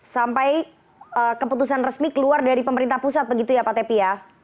sampai keputusan resmi keluar dari pemerintah pusat begitu ya pak tepi ya